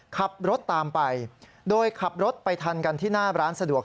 ขับรถตามไปโดยขับรถไปทันกันที่หน้าร้านสะดวก